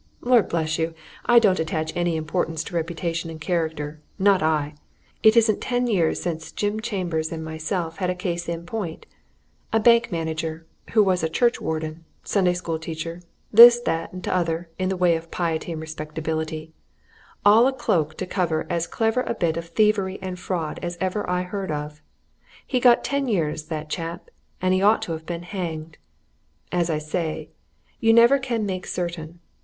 Lord bless you! I don't attach any importance to reputation and character, not I! It isn't ten years since Jim Chambers and myself had a case in point a bank manager who was churchwarden, Sunday School teacher, this, that, and t'other in the way of piety and respectability all a cloak to cover as clever a bit of thievery and fraud as ever I heard of! he got ten years, that chap, and he ought to have been hanged. As I say, you never can make certain.